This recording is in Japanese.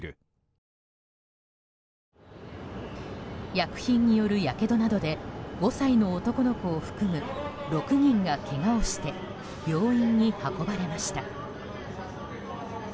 薬品による、やけどなどで５歳の男の子を含む６人がけがをして病院に運ばれました。